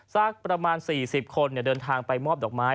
สักประมาณ๔๐คนเดินทางไปมอบดอกไม้